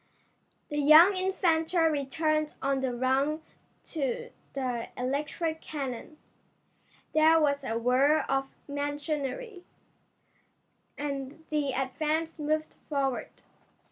The young inventor returned on the run to the electric cannon. There was a whir of machinery, and the Advance moved forward.